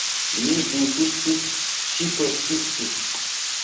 Mi insistis; ŝi persistis.